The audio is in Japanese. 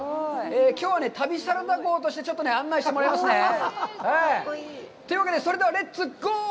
きょうは旅サラダ号としてちょっと案内してもらいますね。というわけで、それではレッツゴー！